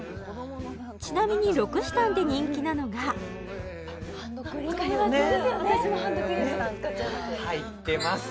ちなみにロクシタンで人気なのが分かります